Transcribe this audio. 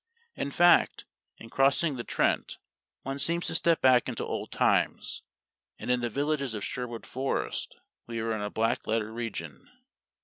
In fact, in crossing the Trent one seems to step back into old times; and in the villages of Sherwood Forest we are in a black letter region.